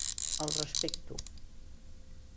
El respecto.